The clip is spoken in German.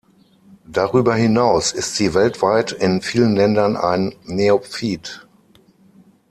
Darüber hinaus ist sie weltweit in vielen Ländern ein Neophyt.